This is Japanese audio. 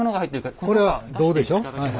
これは胴でしょ？